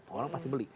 orang pasti beli